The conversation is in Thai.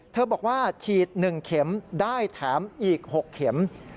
บอกว่าฉีด๑เข็มได้แถมอีก๖เข็ม